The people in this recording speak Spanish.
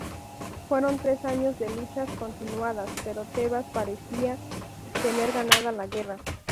Fueron tres años de luchas continuadas, pero Tebas parecía tener ganada la guerra.